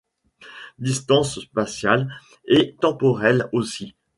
Distance spatiale et temporelle aussi.